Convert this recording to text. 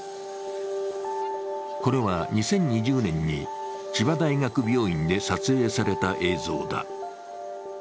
これは２０２０年に千葉大学病院で撮影された映像だ。